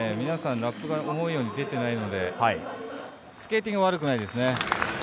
皆さん、ラップが思うように出てないので、スケーティングは悪くないですね。